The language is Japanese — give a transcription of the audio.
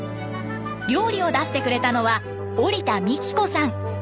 料理を出してくれたのは織田美貴子さん。